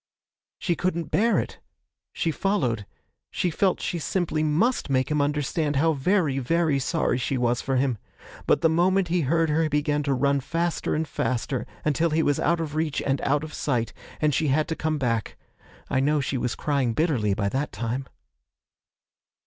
'She couldn't bear it; she followed; she felt she simply must make him understand how very, very sorry she was for him; but the moment he heard her he began to run faster and faster, until he was out of reach and out of sight, and she had to come back. I know she was crying bitterly by that time.'